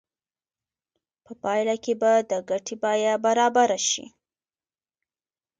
په پایله کې به د ګټې بیه برابره شي